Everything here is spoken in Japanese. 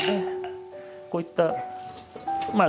こういったまあ